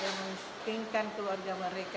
yang mengisinkan keluarga mereka